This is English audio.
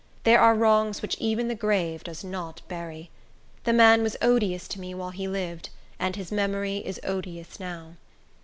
There are wrongs which even the grave does not bury. The man was odious to me while he lived, and his memory is odious now.